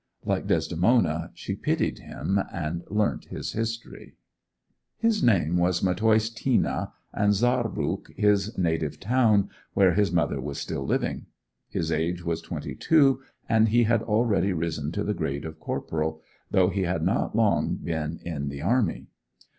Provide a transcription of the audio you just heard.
Like Desdemona, she pitied him, and learnt his history. His name was Matthäus Tina, and Saarbrück his native town, where his mother was still living. His age was twenty two, and he had already risen to the grade of corporal, though he had not long been in the army.